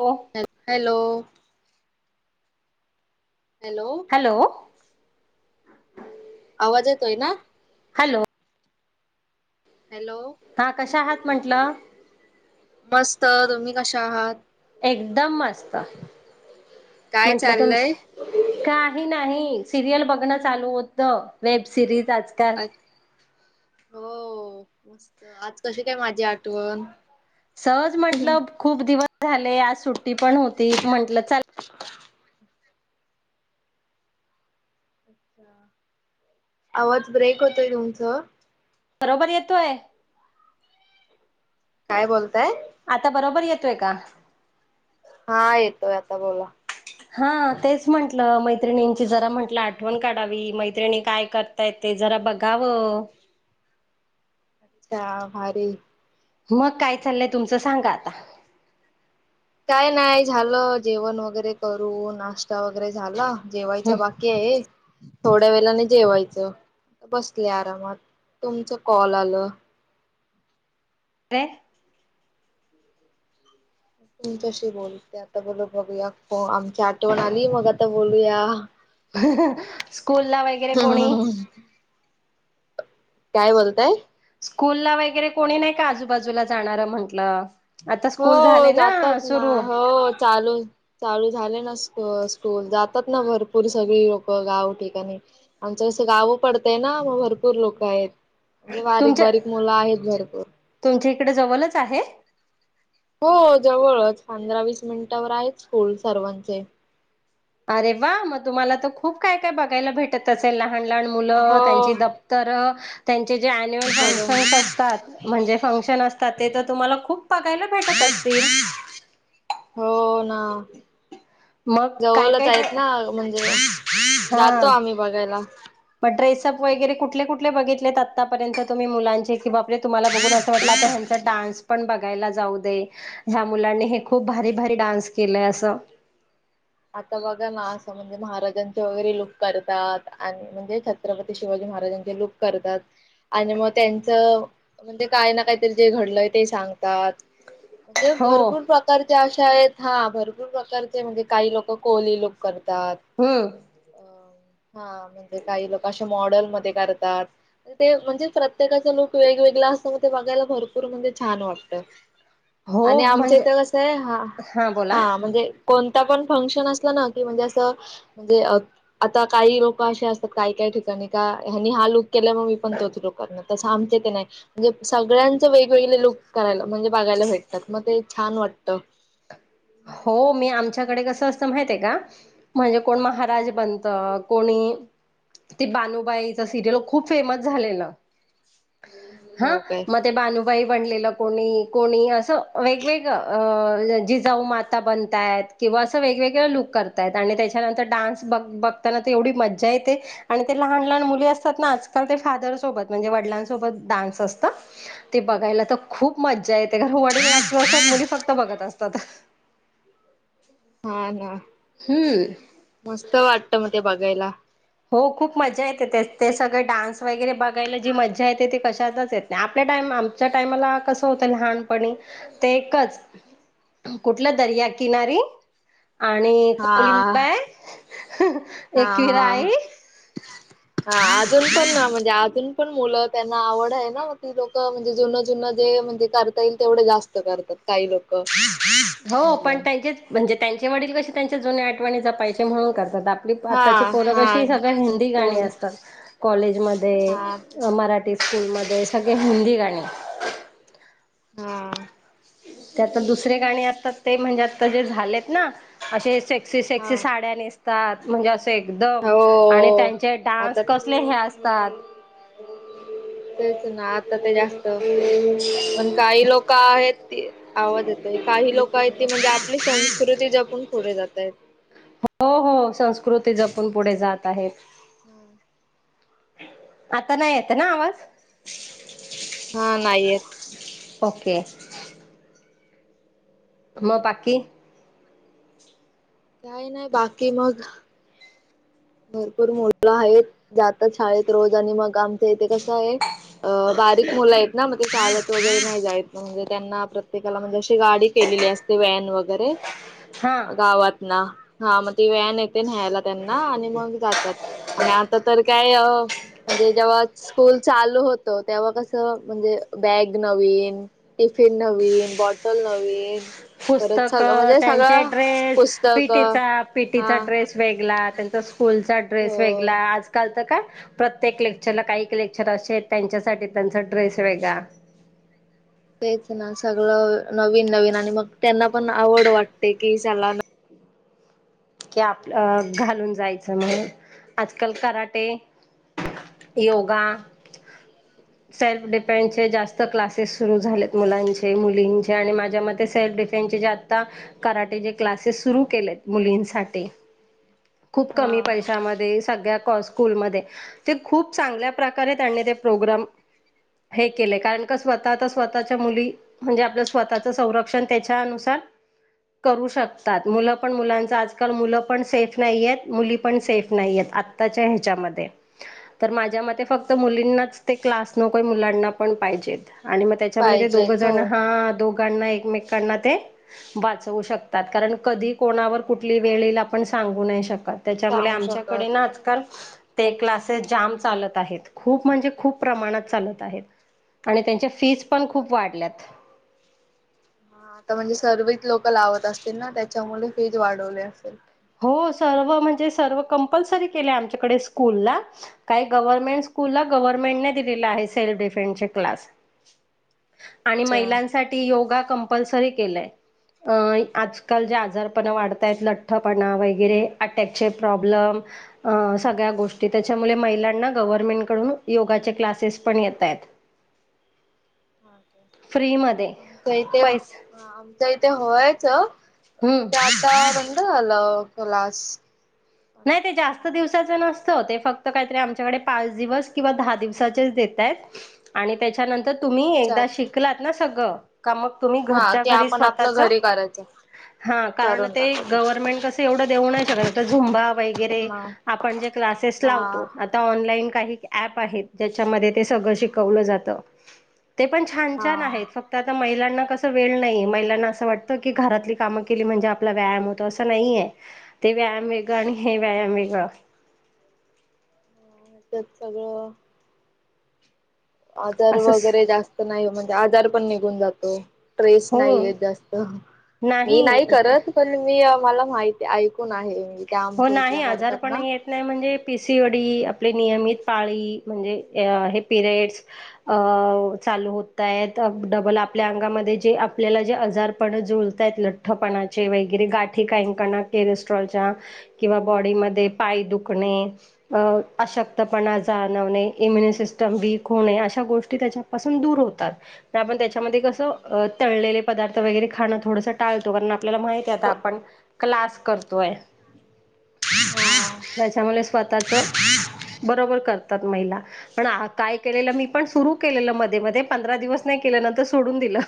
हो hello hello hello पाच येतोय ना हॅलो हॅलो हा कशा आहात म्हटलं मस्त तुम्ही कशा आहात एकदम मस्त काय म्हंटलं चाललय तुमचं काही नाही सिरियल बघणं चालू होत वेब सिरीज आजकाल अ- हो मस्त आज कशी काय माझी आठवण सहज म्हट खूप दिवस झाले आज सुट ी पण होती म्हंटलं चल आवाज ब्रेक होतोय तुमचं बरोबर येतोय. काय बोलताय, आता बरोबर येतोय का? हा येतोय आता बोला, हा तेच म्हंटलं मैत्रिणींची जरा म्हंटलं आठवण काढावी अत्या भारी. मग काय चाललंय तुमचं सांगा आता. काय नाय झालं जेवण वगैरे करू, नाश्ता वगैरे झाला. जेवायचं बाकी आहे. थोड्या वेलाने जेवायचं, बसले आरामात, तुमच कॉल आलं. रे तुमच्यासी बोलते आता, बोल बगुया कोण आम्ही चाठवण आली मग आता बोलूया [inaudible] स्कूल ला वगैरे कोणी हम-हम-हम. काय बोलताय. स्कूल ला वगैरे कोणी नाही का आजूबाजूला जाणारं म्हंटलं. आता हो स्कूल झाले जातात ना सुरू होत. चालू चालू झाले ना स्कूल स्कूल जातात ना भरपूर सगळी लोक गाव केकाणी आमचं जसं गाव पडतय ना मग भरपूर लोक आहेत. म्हणजे बारीक तुमच्या बारीक मुलं आहेत भरपूर तड जवलच आहे हो जवळच, पंधरा वीस मिनिटावर आहेत स्कूल सर्वांचे. अरे वा म तुम्हाला त खूप काय काय बघायला भेटत असेल ना. लहान लहान मुलं हो त्यांची दप्तर त्यान जे-जे अन्युअल फंक्शन असतात म्हणजे. फंक्शन असतात ते तर तुम्हाला खूप पघायला भेटत असतील. आ मग काय जवलच काय ट्रे आहेत ना म्हणजे जातो आम्ही बघायला. [inaudible] पड्रेसप वगैरे कुटले कु कुटले बघितलेत आतापर्यंत तुम्ही मुलांचे कि बापरे तुम्हाला बघून असं वाटलं आता ह्यांचा डान्स पण बघायला जाऊ दे, ह्या मुलांनी हे खूप भारी भारी डान्स केलंय अस. आता बघा ना असं म्हणजे महाराजांचे वगैरे लूक करतात, आणि म्हणजे छत्रपती शिवाजी महाराजांचे लूक करतात आणि मग त्यांचं म्हणजे काय ना काहीतरी जे घडलंय ते सांगतात. म्हणजे हो भरपूर प्रकारचे अस शाळेत हा भरपूर प्रकारचे म्हणजे काही लोक. तो कोहली लोक कर हाय हा म्हणजे काही लोक अशे मॉडेल मध्ये करतात ते म्हणजे प्रत्येकाचा लूक वेगवेगळा असत म ते बघायला भरपूर म्हणजे छान वाटत! हो आणि आमच्या म्हणजे इथं कस आहे हा हा म्हणजे कोणता पण फंक्शन असलं ना की म्हणजे असं म्हणजे आता काही लोक असे असतात काही काही ठिकाणी का ह्यांनी हा लुक केला म मी पण तोच लोक करण तसं आमचे ते नाही म्हणजे सगळ्यांच वेगवेगळे लुक करायला म्हणजे बघायला भेटतात मग ते छान वाटत. हो मी आमच्याकडे कसं अस त माहितीय का? कोण महाराज बनत कोणी ती बानुबाईच सिरियल खूप फेमस झाले ना! हा हो काय मते बानुबाय बलेलं कोणी कोणी अस वेगवेगळ अ जिजाऊ माता बनतायत किंवा असं वेगवेगळे लुक करतायत आणि त्याच्यानंतर डान्स बघ बघताना ते एवढी मज्जा येते आणि ते लहान, लहान मुली असतात ना आजकाल ते फादर सोबत म्हणजे वडिलांसोबत डान्स असतं ते बघायला तर खूप मज्जा येत. ते वडील नातू असतात मुली फक्त बघतच आसतता हा ना मस्त वाटत म ते बघायला हो खूप मजा येते ते ते सगळे डान्स वगैरे बघायला जी मजा येते ते कशातच येत नाही आपल्या टाइम आमच्या टायमाला कसं होतं लहानपणी ते एकच कुठलं दर्याकिनारी आणि हा कोलिंनबाई आणि हा हा एकविराई हा अजून पण म्हणजे अजून पण मुलं त्यांना आवड आहे ना मग ती लोक म्हणजे जुनं जुनं जे म्हणजे करता येईल तेवढे जास्त करतात. काही लोक हो पण म्हलं त्याच्यात म्हणजे त्यांच्याचे वडील कशी त्यांच्या जुन्या आठवणी जपायचे म्हणून करतात. आपली हा आत्ताची पोरक हा अशी सगळ हिंदी गाणी पोर असतात कॉलेजमध्ये हा मराठी स्कूलमध्ये तेच सगळे हिंदी गाणी हा त्या दुसरे गाणी असतात ते म्हणजे आता जे झालेत ना असे सेक्सी हा सेक्सी साड्या नेस त्यात म्हणजे अस एक दम आणि हो त्याचे डान्स आता कसले सात तेच ना आता ते जास्त पण काही लोक आहेत आवाज येतय काही लोक आहेत त म्हणजे आपली संस्कृती जपून पुढे जात आहेत. हो हो संस्कृती जपून पुढे जात आहे! हम आता नाही येत ना आवाज हा नाही येत. ओके. म पाकी. काही नाही बाकी मग- भरपूर मुलं आहेत. जात शाळेत रोज आणि मग आमच्या इथे कसं आहे अ बारीक मुलं आहेत, ना मग ते शाळेत वगैरे नाही जायत म्हणजे त्यांना प्रत्येकाला म्हणजे अशी गाडी केलेली असते व्हॅन वगैरे हा गावात ना हा मग ती व्यान ये न्यायला त्यांना आणि मग जातात. आणि आता तर काय म्हणजे, जेव्हा स्कूल चालू होत तेव्हा कसं म्हणजे, बॅग नवीन टिफिन नवीन बॉटल नवीन परत पुस्तक सगळं म्हणजे त्यांचे सगळं ड्रेस पुस्तक पीटीचा पीटीचा हा ड्रेस वेगला त्यांचा स्कूलचा ड्रेस वेग ला हो आजकाल. प्रत्येक लेक्चरला काही लेक्चर असे त्यांच्यासाठी त्यांचा ड्रेस वेगळा तेच ना सगळ नवीन नवीन आणि मग त्यांना पण आवड वाटते की चला आप घालून जायचं म्हण आजकाल कराटे योगा सेल्फ डिफेन्सचे जास्त क्लासेस सुरू झालेत मुलांचे मुलींचे आणि माझ्या मते सेल्फ डिफेन्सचे जास्त कराटेचे क्लासेस सुरू केलेत मुलींचे. खते खूप कमी हा पैशामध्ये सगळ्या स्कूल मध्ये ते खूप चांगल्या प्रकारे त्यां प्रोग्रम हे केले कारण स्वतः तर स्वतःच्या मुली म्हणजे आप स्वतःच संरक्षण त्याच्याुसार करू शकतात मुल पण मुलाचं आज. आजकाल मुलं पण सेफ नाहीय आहेत. मुली पण सेफ नाहीय आत्ताच्या ह्याच्यामध्ये तर माझ्या मते फक्त मुलींनाच ते क्लास नकोय मुलांना पण पाहिजेत. आणि मग त्याच्यामुळे ते दोघ पाहिजेत हो जण हा दोघ. एक एकमेकांना वाचू शकतात कारण कधी कोणावर कु टी वेळे येईल आपण सांगू नाही शकतो. त्याच्यामुळे सांगू आमच्याकडे शकत ना आजकाल ते क्लासेस जाम चालत आहेत. खूप म्हणजे खूप प्रमाणात चालत आहेत आणि त्यांच्या फीज पण खूप बरं वाढल्यात. हा आता म्हणजे सर्वच लोक लावत असतील ना त्याच्यामुळे फीज वाढवले असेल हो सर्व म्हणजे सर्व कंपल्सरी केले आमच्याकडे स्कूलला काही गव्हर्मेंट स्कूलला गव्हर्मेंटने दिलेला आहे सेल्फ डिफेन्स चे क्लास. आणि अच्छा महिलांसाठी योगा कं. कम्पल्सरी केलं, अ आणि आज काल जे आजार फप. पाणा वगैरे अटक. प्रोब्लेम अ सगळ्या गोष्टी त्याच्यामुळे महिलांना गव्हर्नमेंट कडून योगाचे क्लासेस पण येत आहेत. फ्री मध्ये आमच इथे पैसे आमचा. ते होयच. हम्म पण ते आता बंड झालं. क्लास. नाही ते जास्त दिवसाच नसत ते फक्त का आमच्याकडे पाच दिवस किंवा दहा दिवसाेत त्या त्याच्यानंतर तुम्ही अच्छा एकदा अच्छा शिकलात ना सगळं का मग तुम्ही हा घरच्या ते घरी आपण आपलं स्वतः घरी करायचं कारण करून ते टाकायचं गनमेंट कस एवढ देऊ नाही शकतु हा हा [inaudible] काही प आहेत ज्याच्यामध्ये ते सगळं शिकवलं जात ते पण छान छान हा आहेत फक्त आता महिला कस वेळ नाही महिलांना असं वाटत की घरातली कामं केली म्हणजे आपला व्यायाम होतो अस नाहीे ते वॅमे गाणी मिक हा हच्यात सगळं आजार असंच वगैरे जास्त नाही म्हणजे आजार पण निघून जातो ट्रेस हो नाहीय जास्त मी नाही करत पण मी मला माहिती ऐकून आहे मी त्या हो आमच्या नाही इथल्या आजार करतात पण ना येत नाही म्हणजे पिसी वडी आपले नियमित पाळी म्हणजे हे पिरयड्स अ चालू होतय डबल आपल्या अंगामध्ये जे आपल्याला जे आजारपण जुळतय लठ्ठपणाचे वगैरे गाठी काहींकणा केरेस्ट्रॉलच्या किंवा बॉडीमध्ये पाय दुखणे अ अशक्तपणा जाणवणे इम्युन सिस्टम वीक होणे अशा गोष्टी त्याच्यापासून दूर होतात आपण त्याच्यामध्ये कसं तळलेले पदार्थ वगैरे खाणं थोडस टाळतो कारण आपल्याला माहती आता आपण क्लास करतोय त्याच्यामुळे स्वतःच बरोबर करतात महिला पण काय केलेलं मी पण सुरु केलेलं मध्ये मध्ये पंधरा दिवस नाही केलं नंतर सोडून दिलं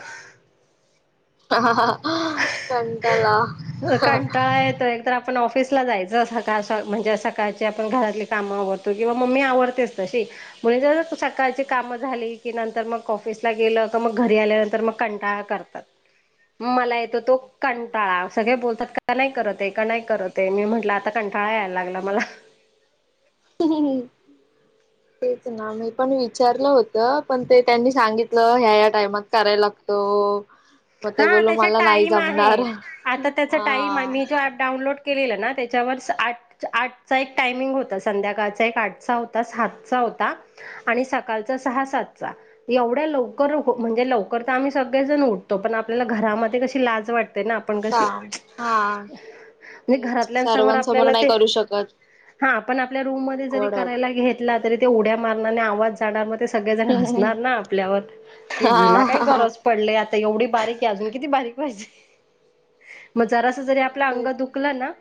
ह कटला आप ऑफस जायच सळ म्हणजे सकाळची आपण घरातली काम आवरतो किंवा मम्मी आवडतेच तशी म्हण जर सकाळची काम झाली की नंतर मग ऑफिसला गेलं मग घरी आल्यानंतर मग कंटाळा करतात म मला तो अच्छा कंटाळा सगळे बोलतात का नाही करत आहे का नाही करत ते मी म्हटलं आता कंठाळा यायला लागला मला तेच ना मी पण विचारलं होत पण ते त्यांनी सांगितलं ह्या या्या टाइमात करायला लागतो मग ते हा बोललो त्याच्या मला नाही टाइम जमणार आहेत आता त्याचा टाईम आहे हा मी जो ऍप डाऊनलोड त्याच्या आ एक टायमिंग होता संध्याकाळ एक आठ होता सात होता आणि स सकाळचा सहा सातचा एवढ्या लवकर म्हणजे लवकर तर आम्ही सगळेजण उठ तो पण आपल्याला घरामध्ये कशी लाज वाटते काम हा क तेच घातल्यामोर सर्वांसमोर नाही आपल्या करू शकत. हा आप आपल्या रूम ज ऑकवर्ड करा वाटतं घला तरीड मारणारने आवाज झाडामध्ये ते सगळेजण हसणार ना आपल्यावर कि घ्याला काय हा गरज पडली एवढी बारीक आहे अजून किती बारीक पाहिजे मग जरा अस जरी आपला अंग तेच दुखलं ना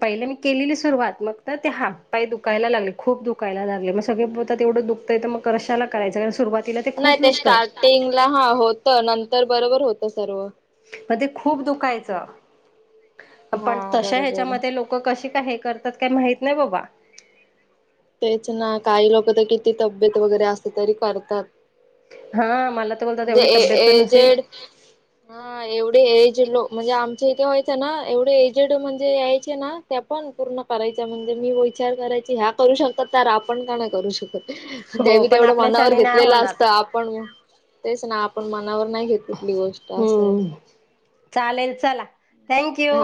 पहिले मी केलेली सुरुवात मग तर ते हा पाय दुखायला लागले खूप दुखायला लागले मग सगळे बोलतात तेवढं दुखतंय तर मग कशाला करायचं कारण सुरुवातीला नाही खूप ते दुखतं स्टार्टिंगला हा होत नंतर बरोबर होत सर्व मग ते खूप दुखायचं पण हा तशा बरोबर ह्याच्यामध्ये लोक कशे का हे करतात काय माहित नाही बाबा तेच ना काही लोक तर किती तब्येत वगैरे असते तरी करतात हा मला तर बोलतात म्हणजे एवढी तब्येत पण नसे एजेड हा एवढे एज लोक म्हणजे आमच्या इथे एवढे एजेड म्हणजे यायचे ना त्या पण पूर्ण कराय म्हणजे मी विचार करायची ह्या करू शकतात तर आपण का नाही करू शकत. ते हो मी पण तेवढं मनावर आपल्याच्याने नाही घेतलेलं होणार असता पण तेच ना आपण मनावर नाय घेत कुठली गोष्ट असय हम्म चालेल चला थँक यू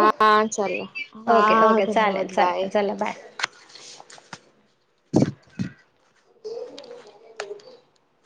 ओके हा ओके चालेल धन्यवाद चालेल बाय चला बाय. [inaudible]